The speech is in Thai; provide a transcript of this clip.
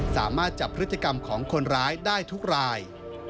สามารถจับพฤติกรรมของคนร้ายได้ทุกราย